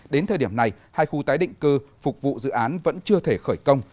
đến thời điểm này hai khu tái định cư phục vụ dự án vẫn chưa thể khởi công